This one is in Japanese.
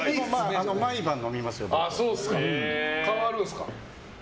変わるんですか？